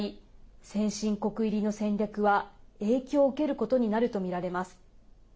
先進国入りの戦略は影響を受けることになるとみられます。